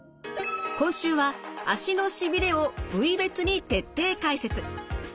今週は足のしびれを部位別に徹底解説。